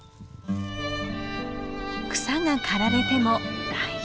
草が刈られても大丈夫。